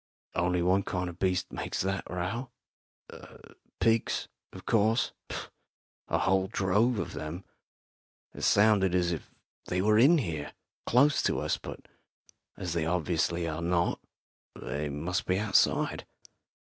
"Only one kind of beast makes that row. Pigs, of course a whole drove of them. It sounded as if they were in here, close to us. But as they obviously are not, they must be outside."